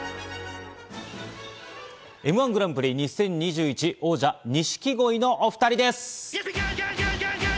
Ｍ−１グランプリ２０２１王者・錦鯉のお２人です。